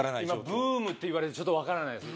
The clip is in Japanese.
ブームって言われて分からないです